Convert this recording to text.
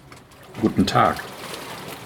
Guten Tag.